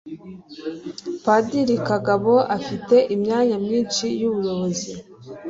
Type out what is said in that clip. Padiri Kagabo, ufite imyanya myinshi y'ubuyobozi